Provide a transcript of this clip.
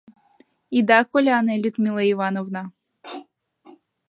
— Ида коляне, Людмила Ивановна!